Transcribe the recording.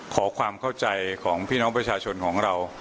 ขอความเข้าใจของพี่น้องประชาชนของเรา